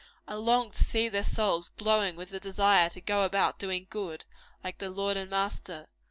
I long to see their souls glowing with the desire to go about doing good, like their Lord and Master.